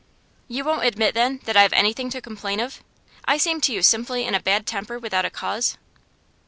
'You won't admit, then, that I have anything to complain of? I seem to you simply in a bad temper without a cause?